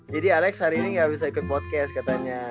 jadi alex hari ini gak bisa ikut podcast katanya